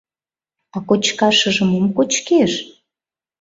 А кочкашыже мом кочкеш?